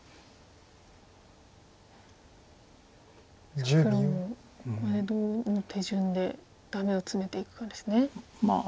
さあ黒もここでどの手順でダメをツメていくかですね。